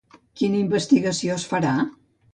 Quina investigació es farà?